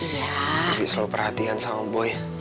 tapi selalu perhatian sama boy